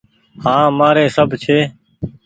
هآن مآري سب ڇي۔